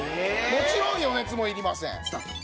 もちろん余熱もいりません。